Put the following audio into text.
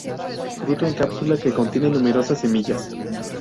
Fruto en cápsula que contiene numerosas semillas.